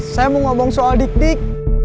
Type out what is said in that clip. saya mau ngomong soal dik dik